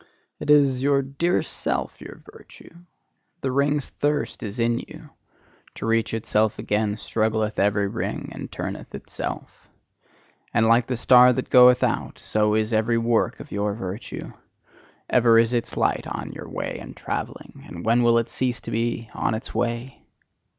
It is your dearest Self, your virtue. The ring's thirst is in you: to reach itself again struggleth every ring, and turneth itself. And like the star that goeth out, so is every work of your virtue: ever is its light on its way and travelling and when will it cease to be on its way?